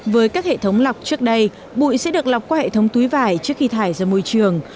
với các hệ thống lọc trước đây bụi sẽ được lọc qua hệ thống túi vải trước khi thải ra môi trường